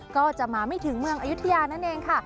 ก็จะมาไม่ถึงเมืองอายุทยานั่นเองค่ะ